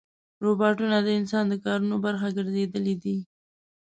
روباټونه د انسان د کارونو برخه ګرځېدلي دي.